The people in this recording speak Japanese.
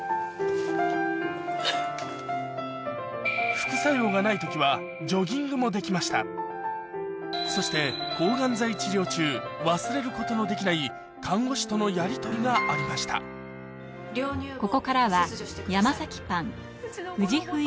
副作用がない時はジョギングもできましたそして忘れることのできない看護師とのやりとりがありました他？